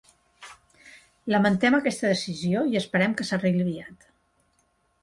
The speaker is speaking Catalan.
Lamentem aquesta decisió i esperem que s'arregli aviat.